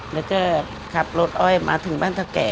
แล้วก็ขับรถอ้อยมาถึงบ้านเท่าแก่